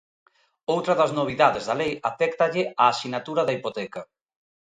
Outra das novidades da lei aféctalle á sinatura da hipoteca.